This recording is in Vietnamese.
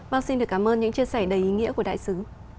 vâng xin được cảm ơn những chia sẻ đầy ý nghĩa của đại sứ